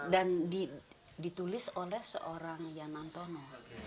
dan ditulis oleh seorang yanantono